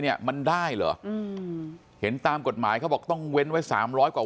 เนี่ยมันได้หรอเห็นตามกฎหมายเขาบอกต้องเว้นไว้๓๐๐กว่า